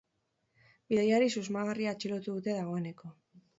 Bidaiari susmagarria atxilotu dute dagoeneko.